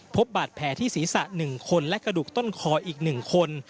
พบบาดแผลที่ศีรษะ๑คนและกระดูกต้นคออีก๑คน